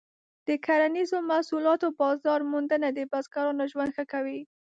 د کرنیزو محصولاتو بازار موندنه د بزګرانو ژوند ښه کوي.